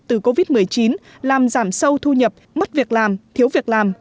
từ covid một mươi chín làm giảm sâu thu nhập mất việc làm thiếu việc làm